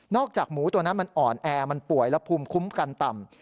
จากหมูตัวนั้นมันอ่อนแอมันป่วยและภูมิคุ้มกันต่ำ